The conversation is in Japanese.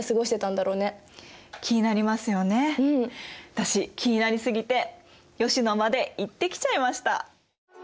私気になり過ぎて吉野まで行ってきちゃいました。